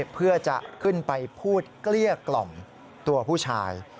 เพื่อจะขึ้นไปพูดเกลี้ยกล่อมตัวผู้ชาย